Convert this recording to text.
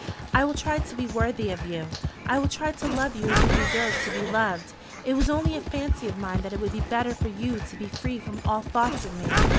"I will try to be worthy of you. I will try to love you as you deserve to be loved. It was only a fancy of mine that it would be better for you to be free from all thoughts of me.